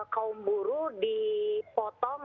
kaum buruh dipotong